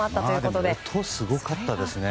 音がすごかったですね。